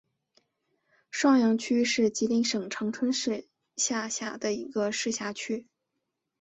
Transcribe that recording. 双阳区是吉林省长春市下辖的一个市辖区。